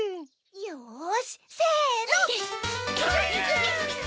よしせの！